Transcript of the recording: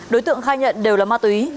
đối tượng khai nhận đều là ma túy